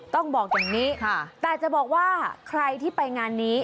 ต้องบอกอย่างนี้แต่จะบอกว่าใครที่ไปงานนี้